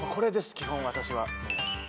基本私は。